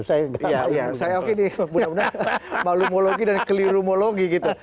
saya yakin ini benar benar malumologi dan kelirumologi gitu